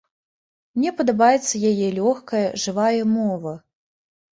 Мне падабаецца яе лёгкая, жывая мова.